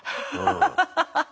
ハハハハハ。